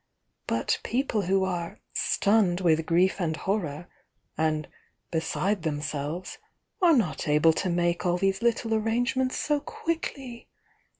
But people who are 'stunned with grief and horror' and 'beside them selves' are not able to make all these little arrange ments so quickly!